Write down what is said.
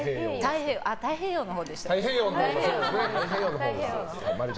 太平洋のほうでした。